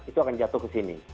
itu akan jatuh ke sini